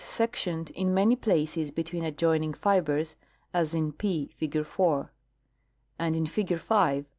sectioned in many places between adjoining fibers, as in p, figure 4 ; and in figure 5